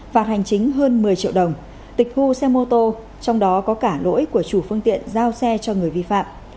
phạt hành chính hơn một mươi triệu đồng tịch thu xe mô tô trong đó có cả lỗi của chủ phương tiện giao xe cho người vi phạm